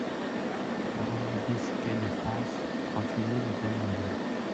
quarante-deux BIS quai de France, trente-huit mille Grenoble